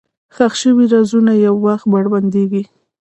ښخ شوي رازونه یو وخت بربنډېږي.